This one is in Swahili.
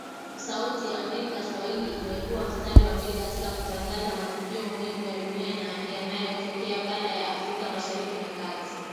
Sauti ya America Swahili imekua mstari wa mbele katika kutangaza matukio muhimu ya dunia na yanayotokea kanda ya Afrika Mashariki na Kati